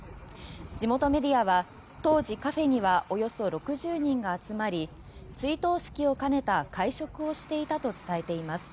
地元メディアは当時カフェにはおよそ６０人が集まり追悼式を兼ねた会食をしていたと伝えています。